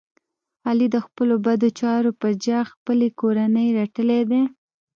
علی د خپلو بد چارو په جه خپلې کورنۍ رټلی دی.